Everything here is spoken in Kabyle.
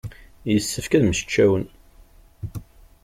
Yessefk ad mmečcawen.